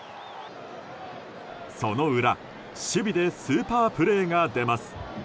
その裏、守備でスーパープレーが出ます。